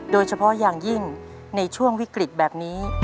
โดยเฉพาะอย่างยิ่งในช่วงวิกฤตแบบนี้